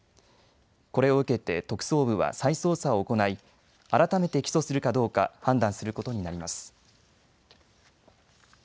これを受けて特捜部は再捜査を行い改めて起訴するかどうか判断することになります。